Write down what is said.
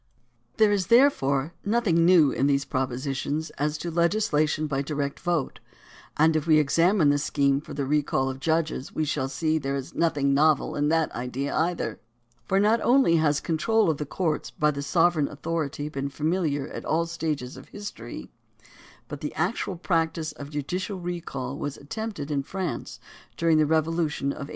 There is therefore nothing new in these propositions as to legislation by direct vote, and if we examine the 98 COMPULSORY INITIATIVE AND REFERENDUM scheme for the recall of judges we shall see that there is nothing novel in that idea either, for not only has control of the courts by the sovereign authority been familiar at all stages of history, but the actual practice of judicial recall was attempted in France during the Revolution of 1848.